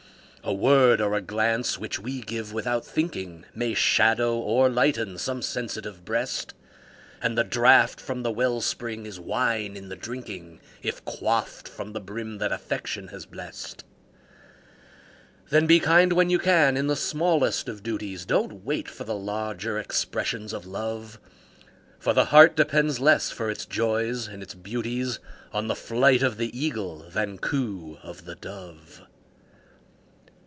A word or a glance which we give "without thinking", May shadow or lighten some sensitive breast; And the draught from the well spring is wine in the drinking, If quaffed from the brim that Affection has blest. Then be kind when you can in the smallest of duties, Don't wait for the larger expressions of Love; For the heart depends less for its joys and its beauties On the flight of the Eagle than coo of the Dove.